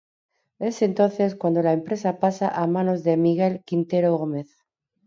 Es entonces cuando la empresa pasa a manos de Miguel Quintero Gómez.